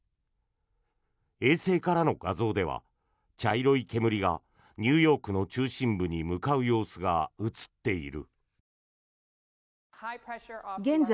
衛星からの画像では茶色い煙がニューヨークの中心部に向かう様子が映っている。